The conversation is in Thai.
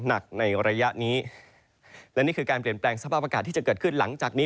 หนักในระยะนี้